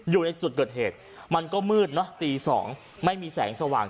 อยู่ในจุดเกิดเหตุมันก็มืดเนอะตี๒ไม่มีแสงสว่าง